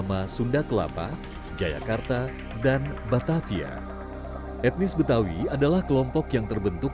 meng thinner ke area pihak disposition rata ibu kota tersebut